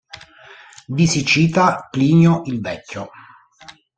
Vi si cita Plinio il Vecchio.